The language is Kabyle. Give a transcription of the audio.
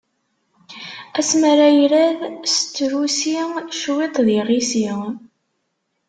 Asmi ara irad s trusi, cwiṭ d iɣisi.